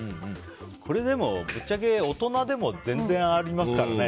これ、ぶっちゃけ大人でも全然ありますからね。